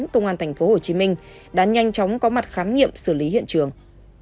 công an tp hcm đã nhanh chóng có mặt khám nghiệm xử lý hiện trường